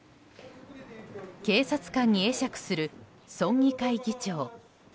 警察官に会釈する村議会議長。